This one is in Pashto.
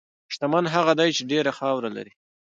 شتمن هغه دی چې ډېره خاوره لري.